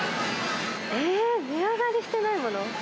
えー、値上がりしてないもの？